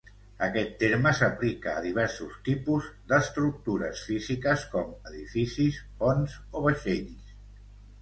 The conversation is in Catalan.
Aquest terme s'aplica a diversos tipus d'estructures físiques, com edificis, ponts o vaixells.